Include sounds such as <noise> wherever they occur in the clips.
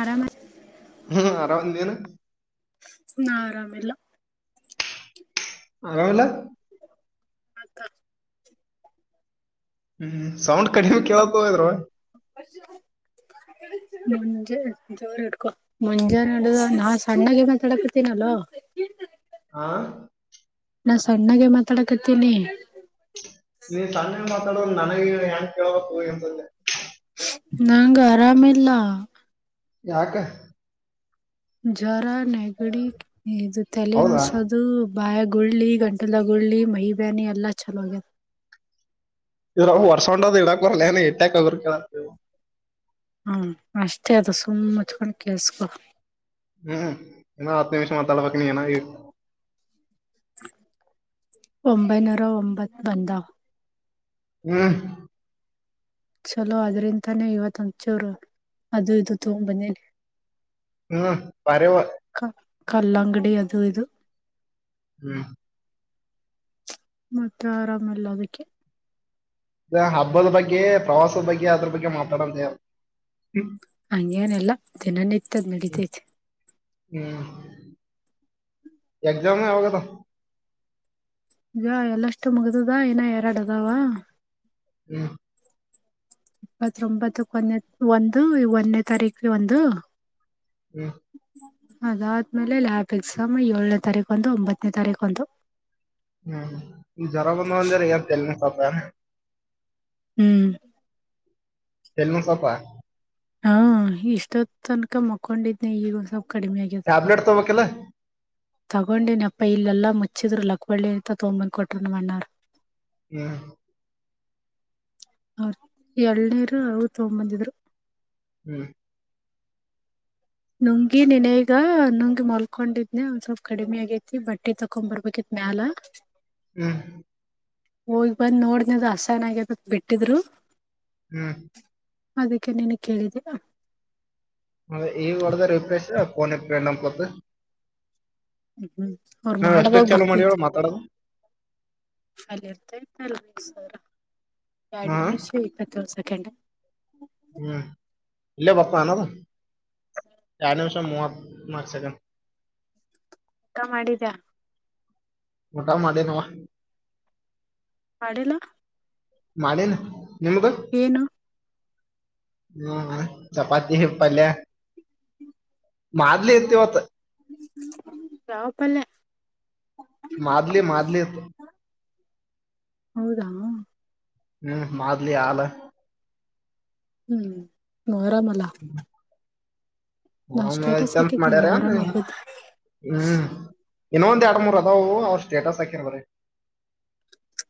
ಆರಾಮ ಹ್ಮ್ ಅರಾಮ ನೀನು. ನಾ ಆರಾಮೀಲ್ಲ. ಆರಾಮೀಲ್ಲ. ಅಕ್ಕ. ಹ್ಮ್ ಸೌಂಡ್ ಕಡಿಮೆ ಕೇಳ್ತದ ಇದ್ರ ಒಳ್ಗ. ಮುಜೇಂನ್ ಇಡದ್ದು ನಾ ಸಣ್ಣಾಗೆ ಮಾತಾಡಕತಿನಿ ಹಲೋ. ಆ. ನಾ ಸಣ್ಣಾಗೇ ಮಾತಾಡಕತ್ತೀನಿ. ನೀ ಸಣ್ಣಗಿ ಮಾತಾಡವಲ್ಲಿ ನನಗ ಹೆ ಹೆಂಗ್ ಕೇಳ್ಬೇಕು <unintelligible> ನಂಗ ಆರಾಮಿಲ್ಲ. ಯಾಕ. ಜ್ವರ ನಗಡಿ ಇದು ಹೌದಾ ತೇಲಿನುಸದ್. ಇದು ಬಾಯಗ್ ಗುಳ್ಳಿ, ಗಂಟಲದ್ಗ ಗುಳ್ಳಿ, ಮೈ ಬ್ಯಾನಿ ಎಲ್ಲಾ ಚಾಲು ಆಗ್ಯಾದ. ಇದ್ರ ವರ್ಸೊಂಡದ್ ಇಡಕ ಬರಲ್ಲ ಏನ್ ಇಟ್ಟ್ಯಾಕ್ಗರ್ ಹ್ಮ ಅಷ್ಟೇ ಅದ ಸುಮ್ ಮುಚ್ಕೊಂಡ್ ಕೇಳುಸ್ಕೊರಿ. ಹ್ಮ್ ಇನ್ನ ಹತ್ತ ನಿಮಿಷ ಮಾತಾಡ್ಬೇಕ್ ನೀ ಇನ್ನ. ಒಂಬೈನೂರ ಒಂಬತ್ ಬಂದವ್. ಹ್ಮ್. ಚಲೋ ಅದ್ರಿಂತಾನೇ ಇವತ್ ಒಂನ್ ಚೂರು ಅದು ಇದು ತೊ ಬಂದಿನಿ. ಹ್ಮ್ <unintelligible> ಕ ಕಲ್ಲಂಗಡಿ ಅದು ಇದು. ಹ್ಮ್. ಮತ್ತ ಆರಾಮೀಲ್ಲ ಅದಕ್ಕೆ. ಹಬ್ಬದ ಬಗ್ಗೆ ಪ್ರವಾಸದ ಬಗ್ಗೆ ಅದ್ರ ಬಗ್ಗೆ ಮಾತಾಡಂತ ಹೇಳ್. ಹಂಗೇನೆಲ್ಲಾ ದಿನ ನಿತ್ಯದ್ ನಡಿತೈತಿ. ಹ್ಮ್ ಎಕ್ಸಾಮ್ ಯಾವಾಗ್ ಅದಾವ್. ಇವಾಗ ಎಲ್ಲಷ್ಟು ಮುಗ್ದದ ಇನಾ ಎರಡು ಅದಾವ. ಹ್ಮ. ಇಪ್ಪತ್ತೊಂಬತ್ತ ಕೊನೆ ಒಂದು ಒಂದನೇ ತಾರೀಕಿಗೆ ಒಂದು. ಹು ಅದಾದ್ಮೇಲೆ ಲ್ಯಾಬ್ ಎಕ್ಸಾಮ್ ಏಳನೇ ತಾರೀಕು ಒಂದು ಒಂಬತ್ತನೇ ತಾರೀಕು ಒಂದು. ಹು ಇಗ ಜ್ವರಾ ಬಂದಾವ ಅಂದೆಲ್ಲ ಏಪ ತಲಿ ನೋವಸಾಕತ್ತಾವನ. ಹು ತೆಲನುಸಾತಾ. ಹಾ ಇಷ್ಟೊತ್ ತನಕಾ ಮಕ್ಕೊಂಡಿದ್ನನೆ ಈಗ ಒಂದ ಸ್ವಲ್ಪ್ ಕಡಿಮೆ ಆಗ್ಯದ. ಟ್ಯಾಬ್ಲೆಟ್ ತೊಬೇಕಿಲ್ಲ. ತಗೊಂಡನ ಅಪ್ಪ ಇಲ್ಲೆಲ್ಲಾ ಮುಚ್ಚಿದ್ರಲ್ಲ ಲಕ್ಕಳ್ಳಿ ಅಂತ ತೊಂಬಂ ಕೊಟ್ರ ನಮ್ಮ ಅಣ್ಣಾರ್. ಹು ಹು ನೋಡ ಎಳ್ನೀರು ಅವು ತಗೊಂಡ್ ಬಂದಿದ್ರು. ಹು ನುಂಗಿನೆ ಎಗ ನುಂಗಿ ಮಲ್ಕೊಂಡಿದ್ನನೆ ಒಂದ ಸ್ವಲ್ಪ ಕಡಿಮೆ ಆಗೈತಿ ಬಟ್ಟಿ ತಕೊಂಡ ಬರ್ಬೇಕಿತ ಮ್ಯಾಲ. ಟಕ್. ಹು ಹೋಗಿ ಬಂದ್ ನೋಡ್ದದು ಹಸಯನ್ ಆಗ್ಯದ ಅಂತ ಬಿಟ್ಟಿದ್ರು. ಹು ಅದಕ್ಕೆ ನಿನಿಗೆ ಕೇಳಿದೆ. ಅ ಈಗ ಹೊಡದ ರಿಪ್ರೇಶು ಅ ಪೋನ್ ಪ್ರೆಂಟ್ ಬಂತು ಹು ಅವ್ರ ನಾವ್ ಮಾಡದಾಗ ಎಷ್ಟಕ್ ಚಾಲೂ ಮಾಡಿವ ಬರತೈತಿ. ಮಾತಾಡೋದು ಅಲ್ಲಿ ಇರ್ತೇನಲ್ಲ ಸರ ಯಾಡ ಹ ನಿಮಿಷ ಇಪ್ಪತ್ತೆರಡು ಸೆಕೆಂಡ. ಹು ಇಲ್ಲೆ ಬರ್ತಾನೆನವಾ ಎರಡ್ ನಿಮಷ ಮೂವತ್ನಾಲ್ಕು ಸೆಕೆಂಡ್. ಊಟಾ ಮಾಡಿದ್ಯಾ. ಊಟಾ ಮಾಡಿನವಾ. ಮಾಡಿಲ್ಲಾ. ಮಾಡೇನ ನಿಮ್ದು. ಏನು ಏನಾ ಚಪಾತಿ ಪಲ್ಯ. ಮಾದ್ಲಿ ಇತ್ತ ಇವತ್ತ. ಯಾವ ಪಲ್ಯಾ. ಮಾದ್ಲಿ ಮಾದ್ಲಿ ಇತ್ತು ಹೌದಾ ಹು ಮಾದ್ಲಿ ಹಾಲ. ಹು ಮೊರಂ ಅಲ್ಲಾ. ಮೊರಂ ಸ್ಟೇಟಸ್ ಇತ್ತಂತ ಹಾಕಿದ್ ನನ್ ಮಾಡ್ಯಾರಾ. ಮೊಹರಂ ಹಬ್ಬದ ಹು ಇನ್ನೊಂದ ಎರಡು ಮೂರ ಅದವು ಅವ ಸ್ಟೇಟಸ್ ಹಾಕೇನ ಬರೆ.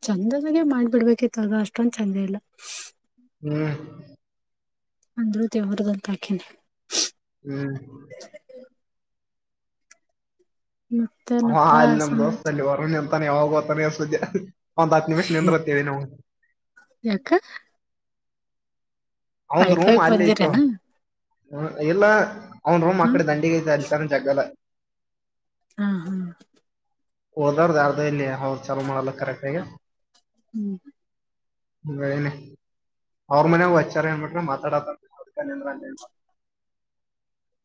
ಚಂದದಾಗೆ ಮಾಡ್ಬಿಡ್ಬೇಕಿತ್ತುದ ಅಷ್ಟೊಂದ ಚೆಂದ ಇಲ್ಲಾ. ಹು ಅಂದ್ರು ದೇವ್ರದಕ್ಕ ಹಾಕೇನಿ. ಹು ಹು ಅವಾ ಅಲ್ಲಿ ನಮ್ಮ ದೋಸ್ತ ಅಲ್ಲಿ ಹೊರ ನಿಂತಾನೆ ಯಾವಾಗೊತಾನ ಸುದ್ದಿ ಒಂದ ಹತ್ತ ನಿಮಿಷ ನಿಂದರತ್ತೇಳೆನಿ ಅವುಂಗ. ಯಾಕ ಅವಂದ ರೂಮ ವೈಫೈಗ್ ಅಲ್ಲಿ ಇತ್ತು. ಬಂದಿರೇನ ಹ ಲ್ಲಾ ಅವ್ನ ರೂಮ ಹ್ಮ್ ಅಕಡೆ ದಂಡಿಗೈತ ಅಲ್ಲಿತಾನಾ ಜಗ್ಗಲ್ಲಾ. ಹಾ ಹಾ ಓದಾರ್ದರ್ ಇಲ್ಲಿ ಹೌದ ಚಲೋ ಮಾಡಲ ಕರೆಕ್ಟ್ ಆಗಿ. ಹ್ಮ್ ಅವರ ಮನೆಗುವೆ ಹಚ್ಚಿ. ಮಾತಾಡಲ್ಲ <unintelligible>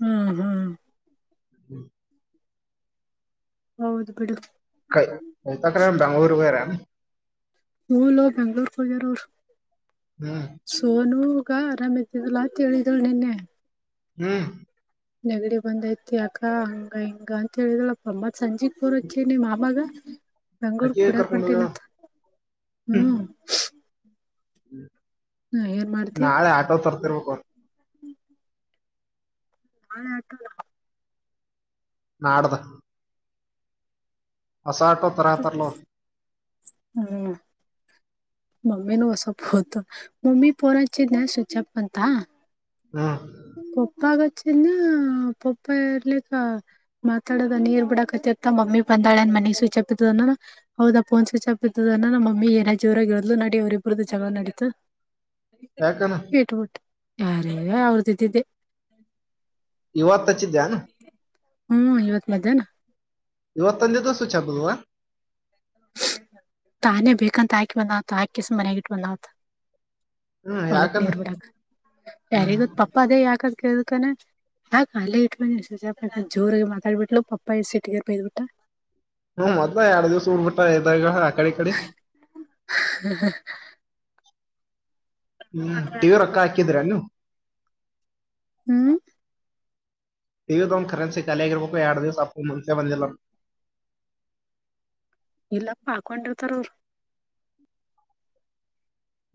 ಹ್ಮ್ ಹ್ಮ್ <unintelligible> ಹೌದು ಬಿಡು. ಕವಿತಕ್ಕ ಏನು ಬೆಂಗಳೂರಿಗೆ ಹೋಗೋರ. ಹು ಲೋ ಬೆಂಗಳೂರಿಗೆ ಹೋಗೋರೆ. ಹ್ಮ್ ಸೋನುಗ ಆರಾಮ್ ಇದ್ದಿದಲ್ಲಾ ಹೇಳಿದಳು ನಿನ್ನೆ. ಹ್ಮ್ ನೆಗಡಿ ಬಂದೈತಿ ಅಕ್ಕ ಹಂಗ ಹಿಂಗ ಅಂತ ಹೇಳಿದಳಪ್ಪ ಅಮ್ಮತ್ ಸಂಜೆ ಫೋನ್ ಹಚ್ಚಳ ನಿಮ್ಮ ಮಾಮಾಗ. ಬೆಂಗಳೂರ್ ಅಕಿ ಬಿಡಕ್ ಕರ್ಕೊಂಡ್ ಹೋಗ್ಯಾಳ ಹೊಂಟೀನಂತಹ್ಮ್ ಹ್ಮ ನಾ ಏನ್ ಮಾಡ್ತಿ ನಾಳೆ ಆಟೋ ತರ್ತಿರ್ಬೇಕು. ಹಾ ಆಟೋ. ನಾಡಿದು. ಹೊಸ ಆಟೋ ತರತಾರಲ್ಲ ಅವ್ರು ಹ್ಮ್. ಮಮ್ಮಿನ ಹೊಸ ಫೋನ್ ಮಮ್ಮಿಗೆ ಫೋನ್ ಹಚ್ಚಿದ್ನ ಸ್ವಿಚ್ಪ್ ಬಂತಾ. ಹ್ಮ ಕೊಪ್ಪಾಗಚ್ಚಿನ ಪಪ್ಪ ಇರ್ಲಿಕ್ಕಾ. ಮಾತಾಡೋ ನೀರ್ ಬಿಡ ಕತ್ತ ಮಮ್ಮಿ ಬಂದಾಳೆ ಅನ್ ಮನೆಗ್ ಸ್ವಿಚ್ಪ್ ಆಫ್ ಇದ್ರೂನು. ಹೌದಾ ಫೋನ್ ಸ್ವಿಚ್ ಅಪ್ ಇದ್ದುದುನು ನಮ್ಮನ ಜೋರಾಗ ಹೇಳ್ದ್ ನಡಿ ಅವ್ರರಿಬ್ಬರುದ ಜಗಳ ನೆಡೆತು. ಯಕೆ ಇಟ್ಬಿಟ್ಟು ಹರೇ ಅವತ್ತು ಇಟ್ಟಿದ್ದೆ. ಇವತ್ ಹಚ್ಚಿದ್ಯಾನ ಹ್ಮ್ ಇವತ್ ಮದ್ಯಾಹ್ನ ಇವತ್ತು ಒಂದು ಸ್ವಿಚ್ ಆಫ್ ಅಲ್ವಾ. ತಾನೇ ಬೇಕಂತ ಹಾಕಿ ಬಂದ್ತ ಹಾಕಿಸ ಮನೆಯಗ ಇಟ್ಟು ಬಂದಾಳಾಂತ. ಹ್ಮ್ ಹೊಲಕ್ ಯಾಕನ ನೀರ್ ಬಿಡಾಕ್ ಹ್ಮ್ ಯಾರಿಗತ್ ಪಪ್ಪ ಅದೇ ಯಾಕದ ಕೇಳುತ್ತಾನೆ. ಬಾ ಅಲ್ಲೇ ಇಟ್ <unintelligible> ಜೋರಿಗೆಗೆ ಮಾತಾಡ್ಬಿಟ್ಲು ಪಪ್ಪಾ ಎ ಸಿಟಗರ್ ಬಯ್ ಬಿಟ್ಟಾ. ಹ್ಮ್ ಮೊದ್ ಎರಡ್ ದಿವ್ಸ ಊರ್ ಬಿಟ್ಟಾ ಇದ್ದ ಆಕಡೆ ಈಕಡೆ <inaudible> ಹ್ಮ್ ಟಿವಿ ರೊಕ್ಕ ಹಾಕಿದ್ರ ನೀವು. ಹ್ಮ್ ಇರೋದು ಒಂದು ಕರೆನ್ಸಿಖಾಲಿಯಾಗಿಬೇಕು ಎರಡು ದಿವಸ ಅಪ್ಪು ಮುಂಚೆ ಬಂದಿಲ್ಲ. ಇಲ್ಲ ಹಾಕೊಂಡಿರ್ತಾರ ಅವ್ರು.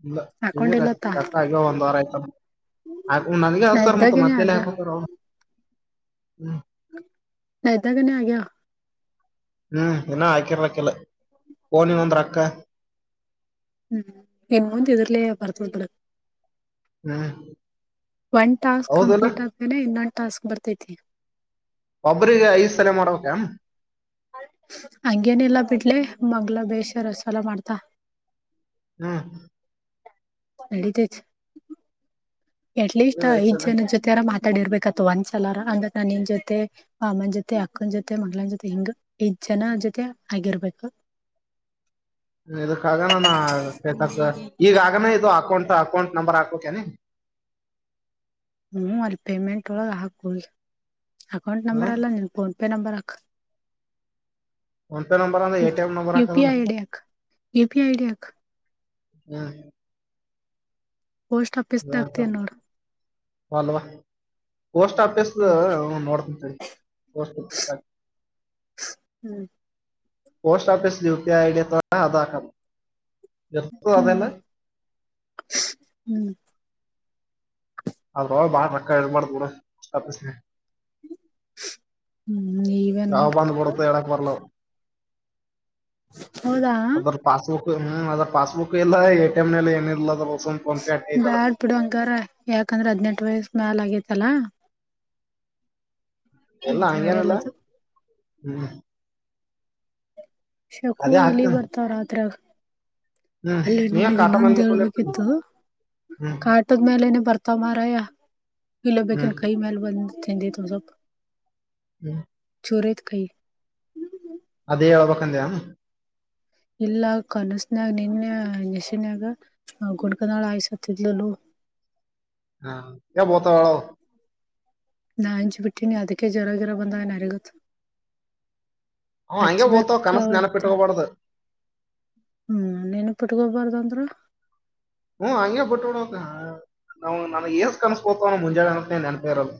ಇಲ್ಲ ಹಾಕೊಂಡಿಲ್ಲತ್ತ ರೊಕ್ಕ ಆಗಿ ಒಂದ್ವಾರ ಆಯ್ತ. ನಾ ಇದ್ದಾಗೇನೆ ಆಗ್ಯ <unintelligible> ನನ್ನ ಇದ್ದಗೇನೇ ಆಗೈವ್ ಹ್ಮ್ ಇನ್ನ ಹಾಕಿರ್ಲಕ್ಕಲ್ಲ ಫೋನಿನ್ ಒಂದ್ ರೊಕ್ಕ. ಹ್ಮ್ ಇನ್ನೊಂತ ಎದುರ್ಲಾ <unintelligible> ಹ್ಮ್ ಒಂದ್ ಟಾಸ್ಕ್ ಹೌದಿಲ್ಲ ಕಂಪ್ಲೀಟ್ ಆದ್ಮೇನೆ ಇನ್ನೊಂದು ಟಾಸ್ಕ್ ಬರ್ತೈತಿ. ಒಬ್ಬ್ರಿಗೆ ಐದು ಸಲ ಮಾಡ್ಬೇಕ. ಹಂಗೇನಿಲ್ಲಾ ಬಿಡ್ಲೆ ಮಗ್ಲ ಬೇಷರಸಲ ಮಾಡ್ತಾ. ಹ್ಮ್ ನೆಡಿತೈತೆ. ಎಟ್ಲೀಸ್ಟ್ ಒಬ್ರಿಗೆ ಐದ್ ಸಲ ಜನ ಜೊತೆಯರ ಮಾತಾಡಿರ್ಬೇಕತ್ತು ಒಂದ್ಸಲರ ಅಂದ್ರ ನಾನ ನಿನ್ ಜೊತೆ. ಅಮ್ಮನ ಜೊತೆ ಅಕ್ಕನ ಜೊತೆ ಮಗಳನ್ ಜೊತೆ ಹಿಂಗೈಜ್ ಜನ ಜೊತೆ ಆಗಿರ್ಬೇಕು. <inaudible> ಇದಕ್ಕಾಗ ಈಗ ಆಗನೇ ಇದು ಅಕೌಂಟ್ ಅಕೌಂಟ್ ನಂಬರ್ ಹಾಕೋಕೇನಿ. ಹ್ಮ ಅಲ್ಲಿ ಪೇಮೆಂಟ್ ಒಳಗೆ ಹಾಕೊಳ್ಳಿ ಅಕೌಂಟ್ ನಂಬರ್ ಹ್ಮ್ ಅಲ್ಲ ನೀನ್ ಫೋನ್ಪೇ ನಂಬರ್ ಹಾಕು. ಫೋನ್ ಪೇ ನಂಬರ್ ಅಂದ್ರ A T M number U P ಹಾಕದಲ್ಲ I D U P I D ಹಾಕು. ಹ್ಮ್ ಪೋಸ್ಟ್ ಆಫೀಸ್ ದಾಗ್ತೀಯ ನೋಡ್ ಪೋಸ್ಟ್ ಆಫೀಸ್. ಹ್ಮ್ ಪೋಸ್ಟ್ ನೋಡ್ತೀನಿ ತಾಡಿ. ಹ್ಮ್ post office U P I ID ಇದೆ ಅದು ಹಾಕು. ಹ್ಮ್ ಹ್ಮ್. ಅದ್ರ ಬಾಳ ರೊಕ್ಕ ಇದು ಮಾಡುತ್ತೆಬಿಡು. ಹ್ಮ್ ಈ ಯಾವಾಗ ಬಂದುಬಿಡುತೆ ಹೇಳೋಕೆ ಬರಲ್ಲ. ಹೌದ. ಅದ್ರ ಪಾಸ್ಬುಕ್ ಹ್ಮ್ ಅದ್ರ ಪಾಸ್ಬುಕ್ ಇಲ್ಲ ಎ ಟಿ ಎಂ ನಲ್ಲಿ ಏನಿಲ್ಲ ಅದ ಬ್ಯಾಡ್ ಬಿಡಂಗರ ಯಾಕಂದ್ರೆ ಹದ್ನೆಂಟು ವಯಸ್ಸ ಮ್ಯಾಲ ಆಗೇತಲ್ಲಾ. ಎಲ್ಲ ಈಗ ಹಂಗೇನಿಲ್ಲ ನಡೆಯಲ್ಲದು ಹ್ಮ್ ಶಕು ಅದೇ ಇಲಿ ಹಾಕ್ತೀನಿ ಬರ್ತಾವ್ ರಾತ್ರಿಯಾಗ. ಹ್ಮ್ ಅಲ್ಲೇ ನೀ ಯಾಕ್ ನಿನಗೆ ಕಾಟ ಮೇಲೆ ಇನ್ನೊಂದು ಮಕ್ಕೊಂಡಿರ್ತೀನಿ ಹೇಳ್ಬೇಕಿತ್ತು. ಹ್ಮ್ ಕಾಟದ್ ಮೇಲೆನೆ ಬರ್ತಾವ ಮಾರಯ ಇಲ್ಲ ಹ್ಮ್ ಬೇಕನ್ ಕೈ ಮೇಲೆ ಬಂದ. ತಿಂಡಿ ತಿನ್ನೋಕೆ. ಹ್ಮ್ ಚುರಿತ್ ಕೈ. ಅದೇ ಹೇಳಬೇಕು ಅಂದ. ಇಲ್ಲ ಕನಸ್ನಾಗ ನಿನ್ನೆ ಕನಸಿನಗ <unintelligible> ಸೈ ಸತಿದ್ಲುಲೋ. <unintelligible> ನಾ ಅಂಜು ಬಿಟ್ಟೀನಿ ಅದಕ್ಕೆ ಜವರಗಿರ ಬಂದನ್ ನಡುಗುತ. ಅವ್ ಹಂಗೆ ಬೋತಾವ ಕನಸ್ ಹಚ್ಚಬೇಕು. ನೆನಪಿಟ್ಕೋಬಾರ್ದು ಹ್ಮ್ ನೀನು ಪಟ್ಕೊಬಾರ್ದಂದ್ರ. ಹ್ಮ್ ಹಂಗೆ ಬಿಟ್ಟಬಿಡಬೇಕು ನಾವು ನನಗೆ ಏನ್ ಕನಸು ಬೀಳ್ತವೋ ಮುಂಜಾನೆ ನೆನಪೇ ಇರಿಲ್ಲ.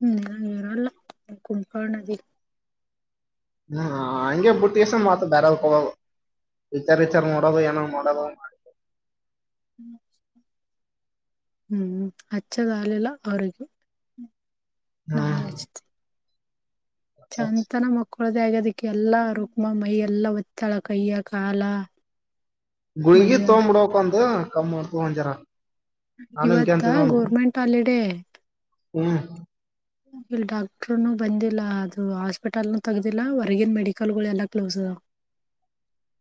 ಹ್ಮ ನಾನು ಇರಲ್ಲ <unintelligible> ಹ್ಮ ಹಂಗೆ ಬುಟ್ಟಾವ್ ಹೋಗ ವಿಚಾರ್ ವಿಚಾರ್ ನೋಡ ಏನಾಗ್ ನೋಡ. ಹ್ಮ್ ಹಚ್ಚದಾಲೆಲ್ಲ ಅವರೆಗೆ. ನಾಳೆ ಹ್ಮ್ ಹಚ್ಚಿ. ಚಂತನ ಮಕ್ಕೋಳೋದೆ ಆಗೈತೆ ಆಗ ಅದಿಕ್ಕೆ ಎಲ್ಲಾ ರುಕ್ಮ ಮೈ ಎಲ್ಲಾ ಹೊಚ್ಚಳಕಯ್ಯ ಕಾಲ. ಗುಳಿಗೆ ಮಯ್ಯ ತಕೊಬಿಡಬೇಕು ಒಂದು <unintelligible> ನಾನು ಹಿಂಗೆ ಇವತ್ತಾ ಅಂತಿದ್ದೆ ಅವ್ನಿಗೆ ಗೌರ್ಮೆಂಟ್ ಹಾಲಿಡೇ. ಹ್ಮ್ ಇಲ್ಲಿ ಡಾಕ್ಟ್ರನು ಬಂದಿಲ್ಲ ಅದು ಹಾಸ್ಪಿಟಲ್ನುತಗ್ದಿಲ್ಲಾ ಹೊರ್ಗಿನ ಮೆಡಿಕಲ್ ಗಳು ಎಲ್ಲಾ ಕ್ಲೋಸ್ ಅದ.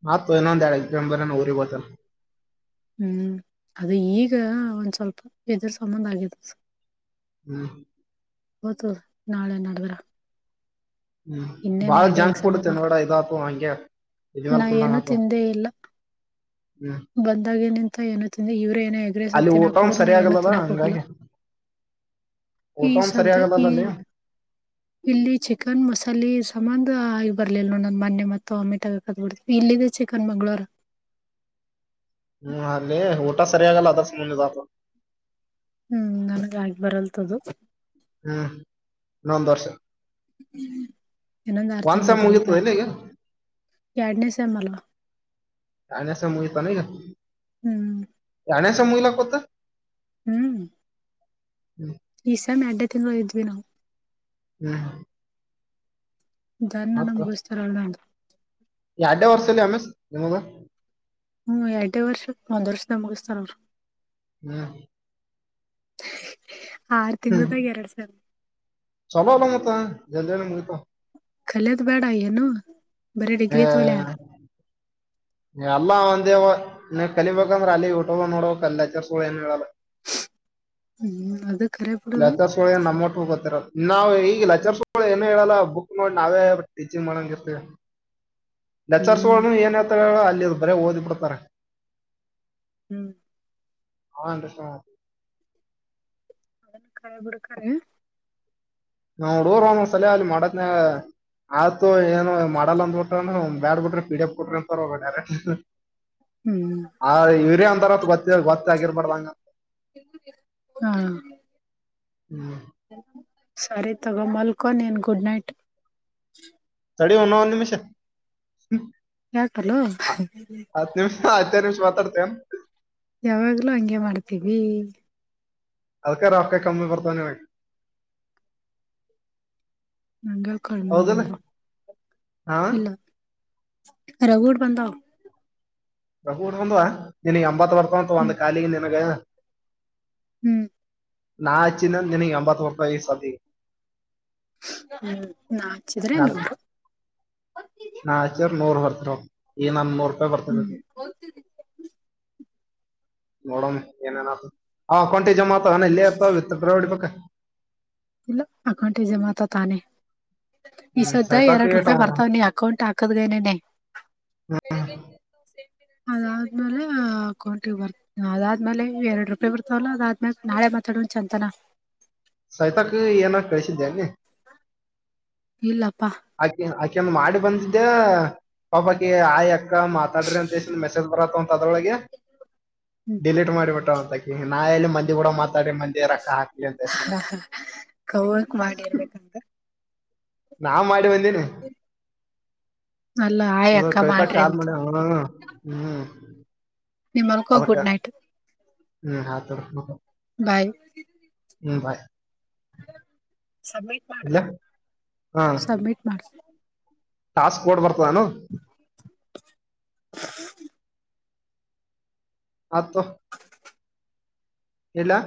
ಮತ್ತ ಇನ್ನೊಂದು ಎರಡು ದಿನ ಊರಿಗೆ ಹೋಗ್ತೇನೆ. ಹ್ಮ್ ಅದು ಈಗ ಒಂದ್ ಸ್ವಲ್ಪ ಇದ್ರ ಸಮಾನ ಆಗೈತೆ. ಹ್ಮ್ ಗೊತ್ತು ನಾಳೆ ನಾಡದ. ಹು ಬಾಳ ಎರಡೇ ಜಂಕ್ ಎಕ್ಸಾಮ್ ಫುಡ್ ಅದಾವ ತಿನ್ನಬೇಡಾ ಇದಾಪ್ಪವ ಹಂಗೆ. ಇದ್ ಮೇಲ್ ನಾ ಏನು ತಿಂದೇ ಇಲ್ಲಾ. ಹು ಬಂದಾಗೆ ನಿಂತ ಏನು ತಿಂದೆ ಇವರೇ ಏನೆ ಎಗ್ರೇಸ ಅಲ್ಲಿ ಊಟನು ತಿನ್ನಾಕಹೋದ್ರು ನಾ ಸರಿ ಏನು ಆಗಲ್ಲಲ್ಲ ತಿನ್ನಾಕೋಗಲ್ಲಾ. ಹಂಗಾಗಿ ಈ ಊಟನು ಸರಿ ಸದ್ದೇಕ ಆಗಲ್ಲಲ್ಲ ಅಲ್ಲಿ ಈಗ. ಇಲ್ಲಿ ಚಿಕ್ಕನ್ ಮಸಾಲೆ ಸಂಬಧ ಈಗ ಬರ್ಲಿಲ್ಲ ನೋಡೊನನಗ ಮೊನ್ನೆ ಮತ್ತ ಓಮಿಟ ಆಗತ. ಆಗಬಿಡತ ಇಲ್ಲಿದ ಚಿಕ್ಕನ್ ಮಂಗಳವಾರಾ ಹು ಅಲ್ಲೇ ಊಟಾ ಸರಿಯಗಲ್ಲಾ ಅದರ ಸಮಂದ ಇದಾತು. ಹು ನನ್ಗ ಆಗಿ ಬರಲದದು. ಹ ಇನೊಂದ ವರ್ಷ. ಹು ಇನ್ನೊಂದ ಆರು ಒಂದ್ ತಿಂಗಳು ಸೆಮ್ ಇದ್ರ ಮುಗೀತದ ಕಲ್ಲ ಇಲ್ಲ ಈಗ ಎರಡನೇ ಸೇಮ್ ಅಲ್ಲ. ಯಾಡನೆ ಸೇಮ್ ಮುಗಿತನ ಇಗ ಹ್ಮ್ ಯಾಡನೆ ಸೇಮ್ ಮುಗಿಲಾಕುಂತ. ಹು ಹ್ಮ್ ಈ ಸೇಮ್ ಯಾಡನೇ ತಿಂಗಳ ಇದ್ವಿ ನಾವು. ಹು ಇದ್ದಾರ. ಮತ್ತ ಬಿಸ್ರಲ್ಲಾದು. ಎರಡ್ಡೇ ವರ್ಸದ ಎಮ್ ಎಸ್ ನಿಮಗ. ಹು ಎರಡನೆ ವರ್ಷ ಒಂದ ವರ್ಷದಾಗ ಮುಗಿಸ್ತಾರ ಅವರು. ಹು ಆರು ಹ್ಮ್ ತಿಂಗಳದಾಗ ಎರಡ ಸೇಮ್. ಚಲೋ ಅಲ್ಲ ಮತ್ತ ಜಲ್ದಿನ ಮುಗಿತಾವು. ಕಲೆದು ಬೇಡಾ ಏನು. ಬರೀ ಬೇ ಡಿಗ್ರಿ ತೋಲೆ ಯಲ್ಲಾ ಒಂದವಾ ನೀ ಕಲಿಬೇಕಂದ್ರ ಅಲ್ಲಿ ಯೂಟ್ಯಬ್ದಾಗ ನೋಡಕ್ ಅಲ್ಲಿ ಲಚ್ಚರ್ಸ್ಗುಳು ಏನ ಹೇಳಲ್ಲ. ಹು ಅದ ಕರೆ ಬಿಡ. ನಮ್ಮಟ್ಟು ಗೊತ್ತೀರಲ್ಲಾ ನಾವು ಈಗಲೆಚರ್ ಏನು ಹೇಳಲ್ಲ ಬುಕ್ಕ್ ನೋಡಿ ನಾವೇ ಟೀಚಿಂಗ್ ಮಾಡಂಗ ಇರ್ತೀವಿ. ಹ್ಮ್ ಲೆಚ್ಚರ್ಸ್ಗುಳುನು ಏನ ಹೇಳತಾರ ಹೇಳ ಅಲ್ಲಿದ ಬರೆ ಓದಿ ಬಿಡ್ತಾರ. ಹು ಅವಾ ಅಂಟಿಷಾರ. ಅದನ್ನು ಕರೆ ಬಿಡ ಕರೆ. ಯಾಡೂರಾನಸಾಲೆ ಅಲ್ಲಿ ಮಾಡಹೊತ್ಯಾಗ ಆಯ್ತು ಏನ್. ಮಾಡಲ್ಲಾ ಅಂದ ಬಿಟ್ಟ ಬ್ಯಾಡ್ ಬಿಡ್ರಿ ಪಿಡಪ್ ಕೊಟ್ರಿ ಅಂತಾರ ಅವರು ಡೈರೆಕ್ಟ್. ಹು ಆ ಇವರೇ ಅಂತಾರಂತ ಗೊತ್ತಿರ ಗೊತ್ತ ಆಗಿರ್ಬಾರಡ್ದಂಗ. ಹಾ ಹ್ಮ್ ಸರಿ ತಗೊ ಮಲ್ಕೊ ನಿನ ಗುಡ್ ನೈಟ್. ತಡಿಅಣ್ಣಾ ಒನ್ನ ನಿಮಷ ಹು. ಯಾಕಲ್ಲೋ. ನಿಮ್ಮ ಹತ್ತೇ ನಿಮಿಷ ಮಾತಾಡ್ತೇನೆ. ಯಾವಾಗ್ಲೂ ಹಂಗೆ ಮಾಡ್ತೀದಿ. ಅದಕ್ಕ ರೊಕ್ಕಾ ಕಮ್ಮಿ ಬರ್ತಾವ ನಿನಗ. ನಂಗೆ ಕಡಿಮೆ ಹೌದಿಲ್ಲ ಬಂದಾವು ಹಾ ಇಲ್ಲಾ ರಗುಡ ಬಂದಾವ. ರಗುಡ ಒಂದ್ವ ನಿನಗ ಎಂಬತ ಬರತಾವಂತ ಒಂದ ಹ್ಮ್ ಕಾಲಿಗೆ ನಿನಗ. ಹ್ಮ್ ನಾ ಹಚ್ಚಿದಿನಂತ್ ನಿನಗ ಎಂಬತ್ತ್ ಬರತ್ತಾವ ಈ ಸದ್ದ್ ಈಗ ಹ್ಮ್ ನಾ ಹಚ್ಚಿದ್ರೆ ನಾನ್ ನಮ್ಮ ನಾ ಹಚ್ಚಿದ್ರ್ ನೂರ್ ಬರ್ತವ ಈಗ ನಂದ ನೂರು ರೂಪಾಯಿ ಬರ್ತದ ಹ್ಮ್ ಈಗ <inaudible> ನೋಡೋಮ್ಮ ಏನೇನ್ ಆತದ್ ಅವ್ ಅಕೌಂಟಿಗ ಜಮಾತವೇನ ಎಲ್ಲೇ ಇರ್ತವ ವಿಥ್ ಡ್ರಿ ಹೊಡಿಬೇಕ ಇಲ್ಲ ಅಕೌಂಟಿಗ್ ಜಮಾತ ತಾನೆ ಈ ಹ್ಮ್ ಸದ್ದ ಸೈತಾಕ್ ಎರಡ್ ಏಟ್ ರೂಪಾಯಿ ಅವ ಬರ್ತವ ನೀ ಅಕೌಂಟ್ ಆ ಕ್ಕದರನೆನೆ ಅದಾದ್ಮೇಲೆ ಅಕೌಂಟಿಗ ಬರ್ತವ ಅದಾದ್ಮೇಲೆ ಎರಡ್ ರೂಪಾಯಿ ಬರ್ತಾವಲ್ಲ ಅದಾದ್ಮೇಲೆ ನಾಳೆ ಮಾತಾಡೋಣ ಚೆಂತನ್ ಸವಿತ ಅಕ್ಕಗ ಏನರೇ ಕಳಿಸಿದ್ದೇನ ನೀ ಇಲ್ಲಪ್ಪ ಅಕಿಂದ್ ಅಕಿಂದ್ ಮಾಡಿ ಬಂದಿದ್ದೆ ಪಾಪ ಅಕಿಗ್ ಆಯ್ ಅಕ್ಕ ಮಾತಾಡ್ರಿ ಅಂತೆಸಿಂದ್ ಮೆಸೇಜ್ ಬರತ್ತವ್ ಅಂತ ಅದ್ರೊಳಗೆ ಹ್ಮ್ ಡಿಲೀಟ್ ಮಾಡಿಬಿಟ್ಟಲ ಅಂತಕಿ ನಾ ಎಲ್ಲಿ ಮಂದಿ ಗೂಡ ಮಾತಾಡಿ ಮಂದಿಗ್ ರೊಕ್ಕ ಹಾಕ್ಲಿ ಅಂತ ಹಾ ಹ್ <unintelligible> ಮಾಡಿ ಇರ್ಬೇಕಂತ ನಾವ್ ಮಾಡಿವ್ ಅಂದಿನಿ <inaudible> ಅಲ್ಲ್ ಹ್ಮ್ ಕವಿತಕ್ಕ ಕಾಲ ಮಾಡ್ಯಾಳ ಹ್ಮ್ ಹ್ಮ್ ನಿ ಮಲ್ಕೋ ಅದಕ್ಕ ಗುಡ್ ನೈಟ್ ಹ್ಮ್ ಹಾತರನು ಬಾಯ್ ಹ್ಮ್ ಬಾಯ್ ಸಬ್ಮಿಟ್ ಮಾಡು ಇಡ್ಲೆ ಹಾ ಸಬ್ಮಿಟ್ ಮಾಡ್ಸ್ ಟಾಸ್ಕ್ ಕೊಡ್ ಬರ್ತದಾನು <inaudible> ಹಾತೊ ಇಡ್ಲಾ